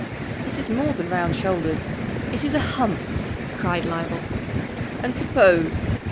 "It is more than round shoulders it is a hump!" cried Leibel. "And suppose?